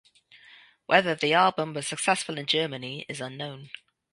Whether the album was successful in Germany is unknown.